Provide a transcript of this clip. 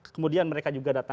kemudian mereka juga datang